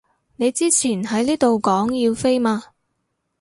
你之前喺呢度講要飛嘛